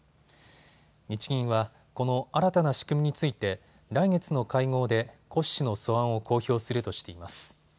日銀はこの新たな仕組みについて来月の会合で骨子の素案を公表するとしています。